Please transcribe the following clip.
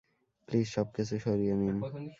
Please সবকিছু সরিয়ে নিন।